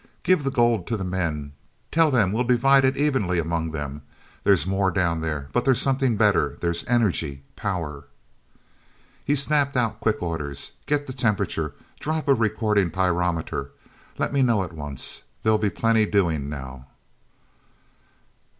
Give the gold to the men; tell them we'll divide it evenly among them. There's more down there, but there's something better: there's energy, power!" He snapped out quick orders. "Get the temperature. Drop a recording pyrometer. Let me know at once. There'll be plenty doing now!"